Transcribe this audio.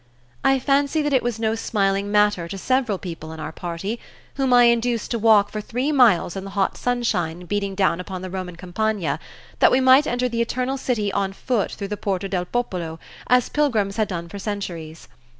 I fancy that it was no smiling matter to several people in our party, whom I induced to walk for three miles in the hot sunshine beating down upon the Roman Campagna, that we might enter the Eternal City on foot through the Porta del Popolo, as pilgrims had done for centuries.